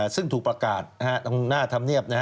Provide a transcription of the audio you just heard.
ซึ่งถูกประกาศตรงหน้าธรรมเนียบ